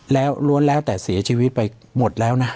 แล้วล้วนแล้วแต่เสียชีวิตไปหมดแล้วนะ